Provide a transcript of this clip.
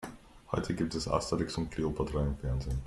Heute gibt es Asterix und Kleopatra im Fernsehen.